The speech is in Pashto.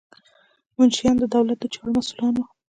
منشیان د دولت د چارو مسؤلان وو.